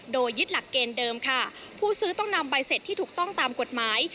โดยยึดหลักเกณฑ์เดิมค่ะผู้ซื้อต้องนำใบเสร็จที่ถูกต้องตามกฎหมาย